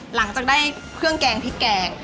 หลังจากได้เครื่องแกงพริกแกง